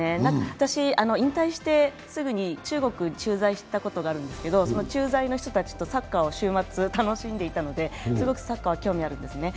私、引退してすぐに中国駐在していたことがあるんですけどその駐在の人たちとサッカーを週末、楽しんでいたのですごくサッカーは興味あるんですね。